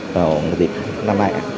vào dịp năm mai